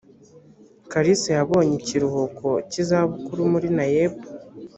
kalisa yabonye ikiruhuko cy’izabukuru muri naeb